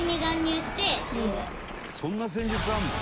「そんな戦術あるの？」